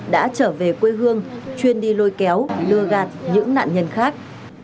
đã trở về quê hương chuyên đi lôi kéo lừa gạt những nạn nhân khác